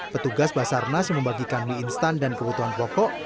petugas basarnas yang membagikan mie instan dan kebutuhan pokok